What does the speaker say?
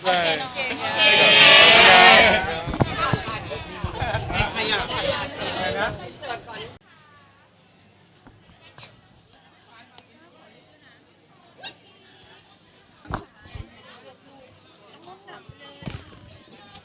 เออนั่นแหละ